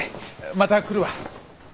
また来るわ。